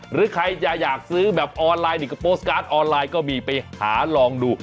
หรือใครจะอยากซื้อแบบออนไลน์นี่ก็โพสต์การ์ดออนไลน์ก็มีไปหาลองดู